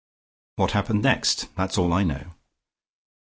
What happened next? That's all I know."